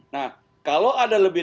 nah kalau ada lebih